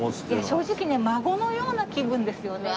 正直ね孫のような気分ですよね。